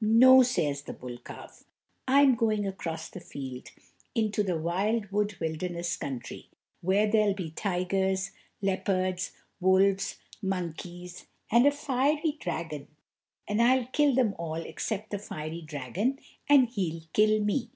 "No," says the bull calf, "I'm going across the field, into the wild wood wilderness country, where there'll be tigers, leopards, wolves, monkeys, and a fiery dragon, and I'll kill them all except the fiery dragon, and he'll kill me."